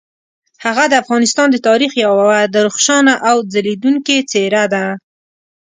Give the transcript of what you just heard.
هغه د افغانستان د تاریخ یوه درخشانه او ځلیدونکي څیره ده.